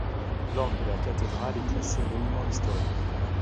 L'orgue de la cathédrale est classé monument historique.